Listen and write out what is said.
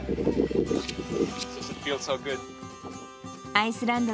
アイスランド！